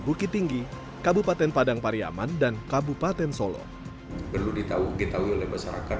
bukit tinggi kabupaten padang pariaman dan kabupaten solo perlu diketahui oleh masyarakat